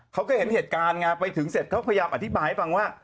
เขาก็เห็นเหตุการณ์ไงไปถึงเสร็จเขาพยายามอธิบายให้ฟังว่า